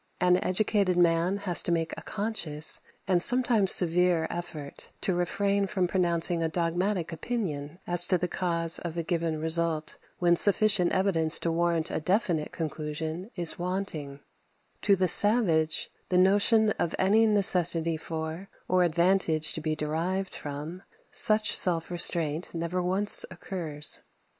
An educated man has to make a conscious, and sometimes severe, effort to refrain from pronouncing a dogmatic opinion as to the cause of a given result when sufficient evidence to warrant a definite conclusion is wanting; to the savage, the notion of any necessity for, or advantage to be derived from, such self restraint never once occurs.